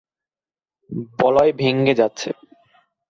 বলয় ভেঙ্গে যাচ্ছে!